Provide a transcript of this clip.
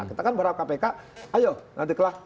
kita kan berharap kpk ayo nanti kelah